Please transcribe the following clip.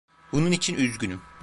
Bunun için üzgünüm.